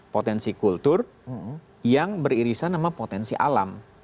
potensi kultur yang beririsan sama potensi alam